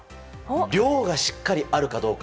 量がしっかりあるかどうか。